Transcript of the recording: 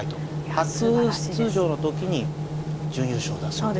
初出場の時に準優勝だそうで。